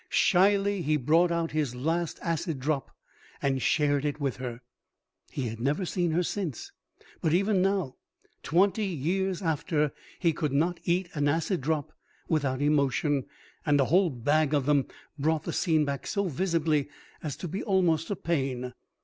Shyly he brought out his last acid drop and shared it with her. He had never seen her since, but even now, twenty years after, he could not eat an acid drop without emotion, and a whole bag of them brought the scene back so visibly as to be almost a pain.